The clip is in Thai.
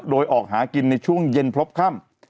โดยออกหากินในช่วงเย็นพบค่ำ